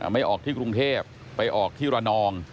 ไม่ออกที่กรุงเทพไปออกที่ระนอง